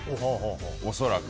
恐らく。